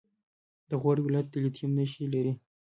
د غور ولایت د لیتیم نښې لري.